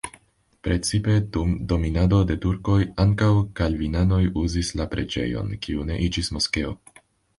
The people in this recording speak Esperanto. Precipe dum dominado de turkoj ankaŭ kalvinanoj uzis la preĝejon, kiu ne iĝis moskeo.